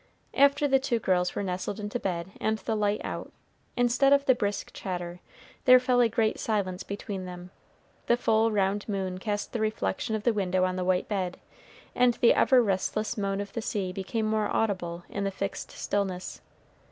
After the two girls were nestled into bed and the light out, instead of the brisk chatter there fell a great silence between them. The full round moon cast the reflection of the window on the white bed, and the ever restless moan of the sea became more audible in the fixed stillness.